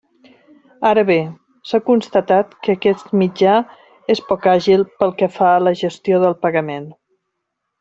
Ara bé, s'ha constatat que aquest mitjà és poc àgil pel que fa a la gestió del pagament.